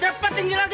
cepet tinggi lagi